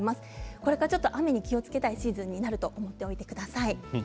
これから雨に気をつけたいシーズンになると思っておいてください。